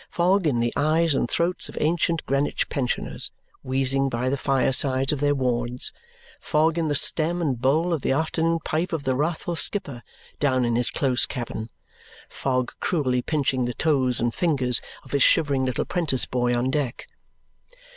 Fog in the eyes and throats of ancient Greenwich pensioners, wheezing by the firesides of their wards; fog in the stem and bowl of the afternoon pipe of the wrathful skipper, down in his close cabin; fog cruelly pinching the toes and fingers of his shivering little 'prentice boy on deck.